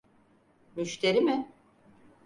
Müşteri mi?